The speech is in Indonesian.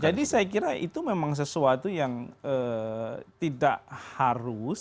jadi saya kira itu memang sesuatu yang tidak haru